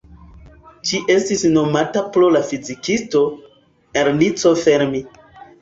Ĝi estis nomita pro la fizikisto, Enrico Fermi.